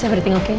saya berhenti oke